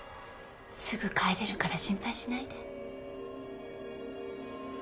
すぐ帰れるから心配しないで。